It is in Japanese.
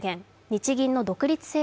日銀の独立性